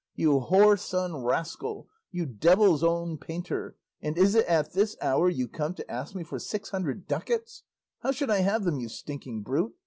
You whoreson rascal, you devil's own painter, and is it at this hour you come to ask me for six hundred ducats! How should I have them, you stinking brute?